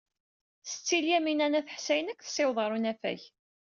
Setti Lyamina n At Ḥsayen ad k-tessiweḍ ɣer unafag.